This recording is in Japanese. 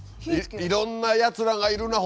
いろんなやつらがいるなあ